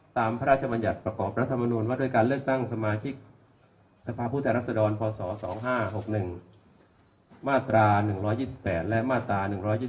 พระราชบัญญัติประกอบรัฐมนุนว่าด้วยการเลือกตั้งสมาชิกสภาพผู้แทนรัศดรพศ๒๕๖๑มาตรา๑๒๘และมาตรา๑๒๒